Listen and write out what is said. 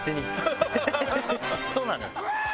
そうなのよ。